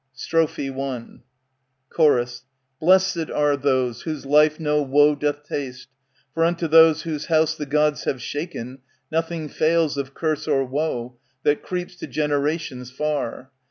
Strophe I Chor, Blessed are those whose life no woe doth taste ! For unto those whose house The Gods have shaken, nothing fails of curse Or woe, that creeps to generations far.